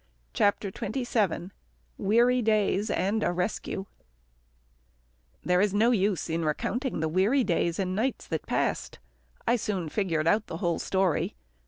CHAPTER XXVII WEARY DAYS AND A RESCUE There is no use in recounting the weary days and nights that passed. I soon figured out the whole story.